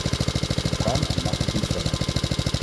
Zo kan en mag het niet verder.